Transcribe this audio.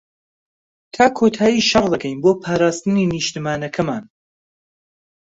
تا کۆتایی شەڕ دەکەین بۆ پاراستنی نیشتمانەکەمان.